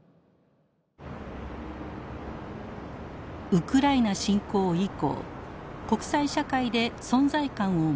ウクライナ侵攻以降国際社会で存在感を増すトルコ。